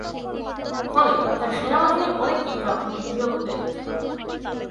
ফলে তাঁর সৈন্যবাহিনীর অনেকেই তাঁর প্রতি বিরূপ হয়ে ওঠে।